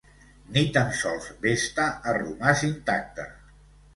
Ni tan sols Vesta ha romàs intacte.